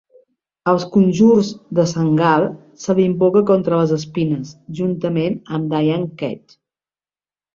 Als conjurs de Sant Gal, se l'invoca contra les espines, juntament amb Dian Cecht.